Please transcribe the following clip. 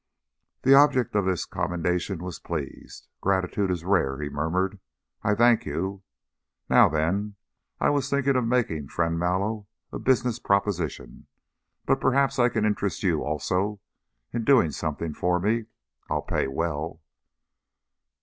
The object of this commendation was pleased. "Gratitude is rare," he murmured. "I thank you. Now then, I was thinking of making friend Mallow a business proposition, but perhaps I can interest you, also, in doing something for me. I'll pay well."